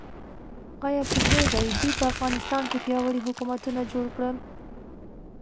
ایا پوهیږئ دوی په افغانستان کې پیاوړي حکومتونه جوړ کړل؟